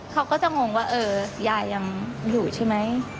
เขาก็จะงงว่าเออยายยังอยู่ใช่ไหม